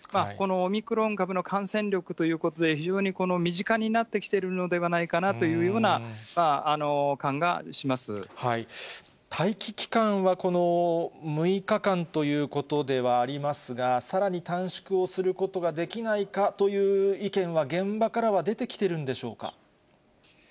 このオミクロン株の感染力ということで、非常に身近になってきているのではないかなというような感がしま待機期間は、この６日間ということではありますが、さらに短縮をすることができないかという意見は、現場からは出てきてるんでしょうか。